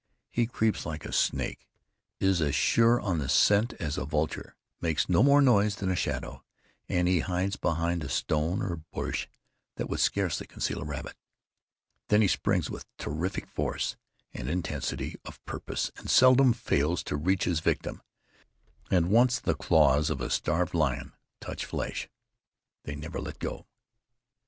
He creeps like a snake, is as sure on the scent as a vulture, makes no more noise than a shadow, and he hides behind a stone or bush that would scarcely conceal a rabbit. Then he springs with terrific force, and intensity of purpose, and seldom fails to reach his victim, and once the claws of a starved lion touch flesh, they never let go.